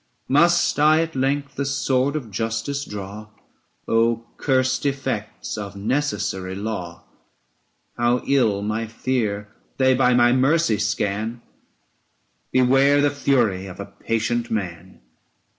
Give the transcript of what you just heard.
Must I at length the sword of justice draw ? Oh curst effects of necessary law ! ow ill my fear they by my mercy scan! ABSALOM AND ACHITOPHEL. 11^ Beware the fury of a patient man.